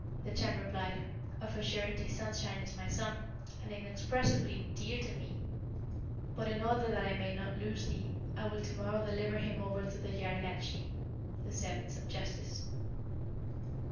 The Chan replied, 'Of a surety Sunshine is my son, and inexpressibly dear unto me; but in order that I may not lose thee, I will to morrow deliver him over to the Jargatschi' (the servants of Justice).